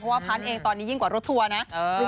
ว่าพันธุ์เองตอนนี้ยิ่งกว่ารถทัวร์นะ